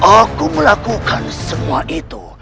aku melakukan semua itu